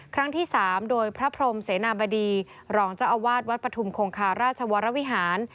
ครั้งที่๓โดยพระพรมเสนาบดีรองเจ้าอาวาสวัดปฐุมคงคาราชวรวิหาร